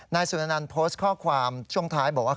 สุนันต์โพสต์ข้อความช่วงท้ายบอกว่า